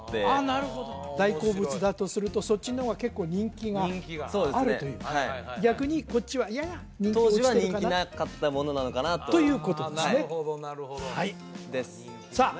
なるほど大好物だとするとそっちの方が結構人気があるというか逆にこっちは嫌だ当時は人気なかったものなのかなとということですねはいですさあ